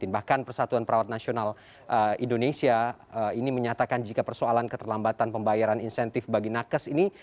bahkan persatuan perawat nasional indonesia ini menyatakan jika persoalan keterlambatan pembayaran insentif bagi nakes ini